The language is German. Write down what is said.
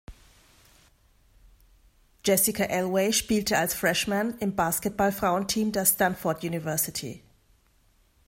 Jessica Elway spielte als Freshman im Basketball-Frauen-Team der Stanford University.